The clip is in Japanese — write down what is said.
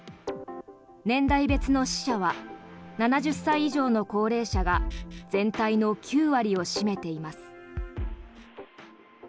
年代別の死者は７０歳以上の高齢者が全体の９割を占めています。